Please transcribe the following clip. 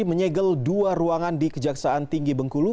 menyegel dua ruangan di kejaksaan tinggi bengkulu